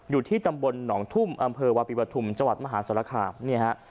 อยู่ที่ตำบล๒ทุ่มอำเภอวะปิปะทุ่มจวัดมหาศาลาฮาลเนี่ยครับ